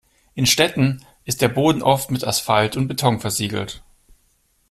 In Städten ist der Boden oft mit Asphalt und Beton versiegelt.